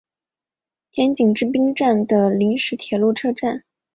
田井之滨站的临时铁路车站。